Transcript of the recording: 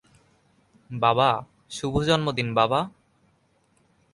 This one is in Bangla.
বাবা, - শুভ জন্মদিন বাবা।